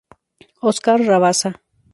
Óscar Rabasa.